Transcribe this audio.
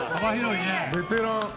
ベテラン。